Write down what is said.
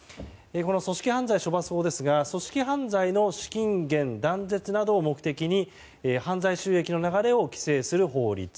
組織犯罪処罰法ですが組織犯罪の資金源断絶などを目的に、犯罪収益の流れを規制する法律。